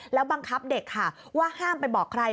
แล้วบังคับเด็กค่ะว่าห้ามไปบอกใคร